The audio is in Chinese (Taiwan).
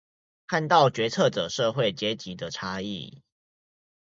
看到決策者社會階級的差異